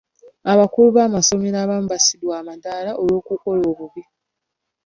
Abakulu b'amasomero abamu bassiddwa eddaala olw'okukola obubi.